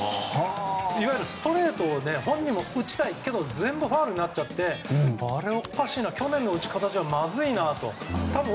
いわゆるストレートを本人も打ちたいけど全部ファウルになって去年の打ち方だとまずいと。